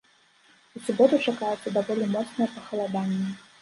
У суботу чакаецца даволі моцнае пахаладанне.